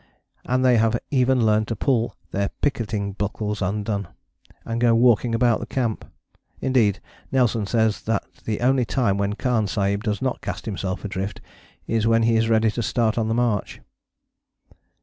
And they have even learnt to pull their picketing buckles undone, and go walking about the camp. Indeed Nelson says that the only time when Khan Sahib does not cast himself adrift is when he is ready to start on the march.